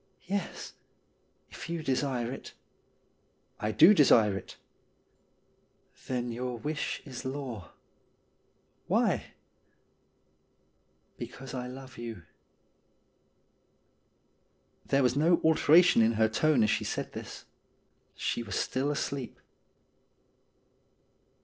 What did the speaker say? ' Yes, if you desire it.' ' I do desire it.' ' Then your wish is law.' ' Why ?'' Because I love you.'' There was no alteration in her tone as she said this. She was still asleep.